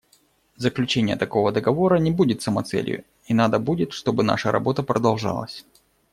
Заключение такого договора не будет самоцелью; и надо будет, чтобы наша работа продолжалась.